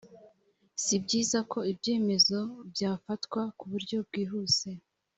si byiza ko ibyemezo byafatwa ku buryo bwihuse